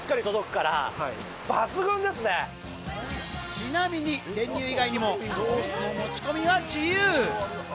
ちなみに練乳以外にもソースの持ち込みは自由。